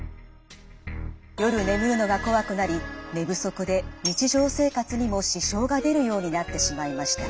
夜眠るのがこわくなり寝不足で日常生活にも支障が出るようになってしまいました。